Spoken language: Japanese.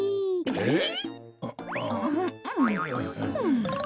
えっ？